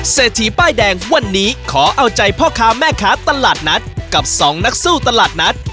เศรษฐีป้ายแดงวันนี้ขอเอาใจพ่อค้าแม่ค้าตลาดนัดกับสองนักสู้ตลาดนัด